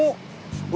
saya pernah ketemu